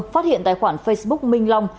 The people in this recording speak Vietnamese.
phát hiện tài khoản facebook minh long